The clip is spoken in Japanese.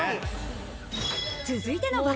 続いての爆